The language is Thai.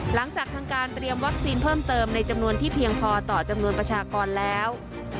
หลังจากทางการเตรียมวัคซีนเพิ่มเติมในจำนวนที่เพียงพอต่อจำนวนประชากรแล้ว